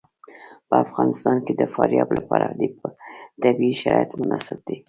په افغانستان کې د فاریاب لپاره طبیعي شرایط مناسب دي.